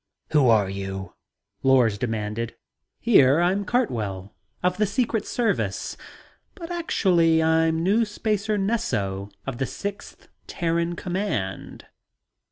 "Who are you," Lors demanded. "Here, I'm Cartwell, of the Secret Service. But actually I'm Firstspacer Nesso of the 6th. Terran Command."